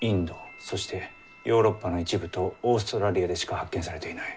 そしてヨーロッパの一部とオーストラリアでしか発見されていない。